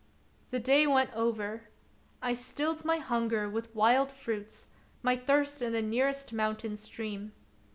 The day went over. I stilled my hunger with wild fruits, my thirst in the nearest mountain stream.